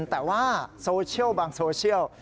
แต่ว่าโซเชียลบางโซเชียล